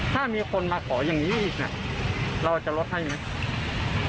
ถ้ามีคนมาขอยังนี้เองเหน่ะเราจะลดให้ไหม